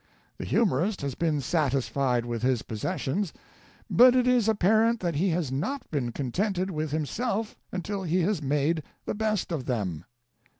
the humorist has been satisfied with his possessions, but it is apparent that he has not been contented with himself until he has made the best of them.